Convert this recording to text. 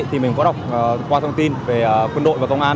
thì mình có đọc qua thông tin về quân đội và công an